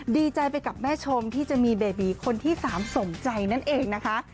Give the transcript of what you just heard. ดีใจไปกับแม่ชมที่จะมีเบบีคนที่๓สมใจนั่นเองนะคะ